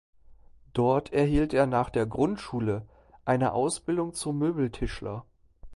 Dort erhielt er nach der Grundschule eine Ausbildung zum Möbeltischler.